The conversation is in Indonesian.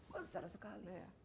besar sekali ya